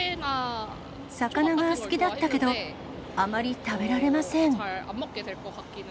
魚が好きだったけど、あまり食べられません。